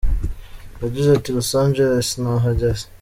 Yagize ati “Los Angeless, nahageze !!.